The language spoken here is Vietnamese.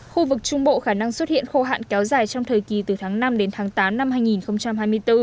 khu vực trung bộ khả năng xuất hiện khô hạn kéo dài trong thời kỳ từ tháng năm đến tháng tám năm hai nghìn hai mươi bốn